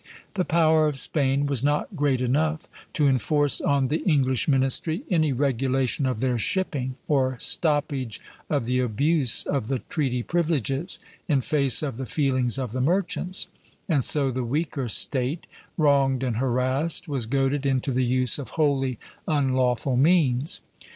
The power of Spain was not great enough to enforce on the English ministry any regulation of their shipping, or stoppage of the abuse of the treaty privileges, in face of the feelings of the merchants; and so the weaker State, wronged and harassed, was goaded into the use of wholly unlawful means.